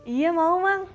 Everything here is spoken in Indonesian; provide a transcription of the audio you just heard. iya mau mang